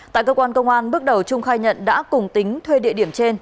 tại cơ quan công an bước đầu trung khai nhận đã cùng tính thuê địa điểm trên